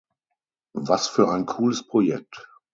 Was für ein cooles Projekt!